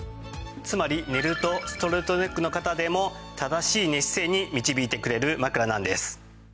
つまり寝るとストレートネックの方でも正しい寝姿勢に導いてくれる枕なんです。